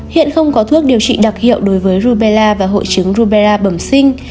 hiện không có thuốc điều trị đặc hiệu đối với rubella và hội chứng rubela bẩm sinh